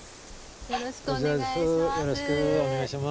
よろしくお願いします。